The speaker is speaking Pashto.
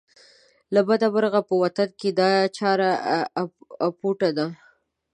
له بده مرغه په وطن کې دا چاره اپوټه ده.